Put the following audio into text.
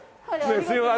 すいません。